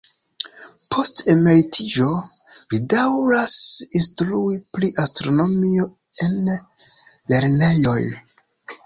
Post emeritiĝo, li daŭras instrui pri astronomio en lernejoj.